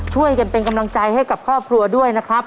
ช่วยกันเป็นกำลังใจให้กับครอบครัวด้วยนะครับ